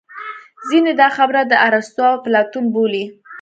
ځینې دا خبره د ارستو او اپلاتون بولي